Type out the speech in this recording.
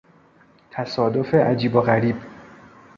تصادف عجیب و غریب